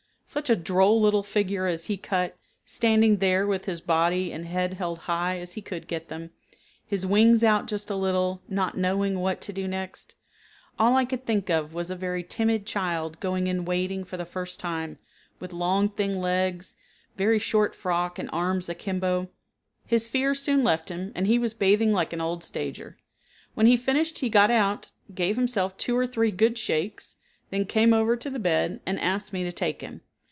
Such a droll little figure as he cut, standing there with his body and head held as high as he could get them, his wings out just a little, not knowing what to do next. All I could think of was a very timid child going in wading for the first time, with long thin legs, very short frock, and arms akimbo. His fear soon left him, and he was bathing like an old stager. When he finished he got out, gave himself two or three good shakes, then came over to the bed, and asked me to take him.